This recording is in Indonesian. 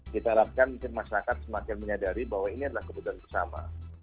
kita harapkan mungkin masyarakat semakin menyadari bahwa ini adalah kebutuhan bersama